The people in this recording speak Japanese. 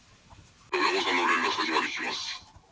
親御さんの連絡先まで聞きます。